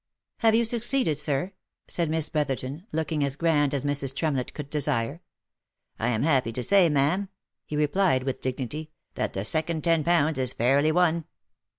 "Have you succeeded, sir?" said Miss Brotherton, looking as grand as Mrs. Tremlett could desire. " I am happy to say, ma'am," he replied, with dignity, "that the second ten pounds is fairly won."